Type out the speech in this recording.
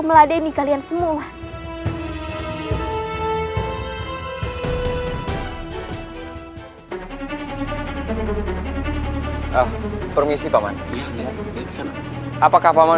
aku juga baik sekali